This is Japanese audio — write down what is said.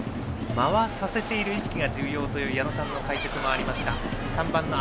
回させている意識が重要という矢野さんの解説もありました。